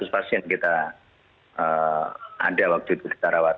lima ratus pasien kita ada waktu itu kita rawat